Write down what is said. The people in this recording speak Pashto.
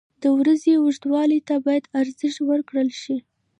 • د ورځې اوږدوالي ته باید ارزښت ورکړل شي.